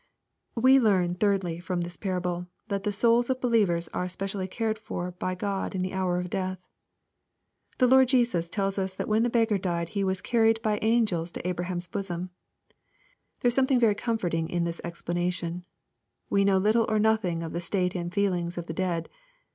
We learn, thirdly, from this parable, that the souls of believers are specially cared for by God in the hour of death. The Lord Jesus tells us that when the beggar died he " was carried by angels to Abraham's bosom." There is something very comforting in this expression. We know little or nothing of the state and feelings of the dead.